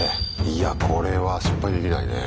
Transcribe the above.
いやこれは失敗できないね。